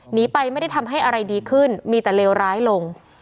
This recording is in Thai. หนีไปไม่ได้ทำให้อะไรดีขึ้นมีแต่เลวร้ายลง